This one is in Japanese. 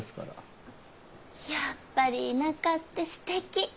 やっぱり田舎って素敵。